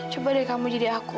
coba deh kamu jadi aku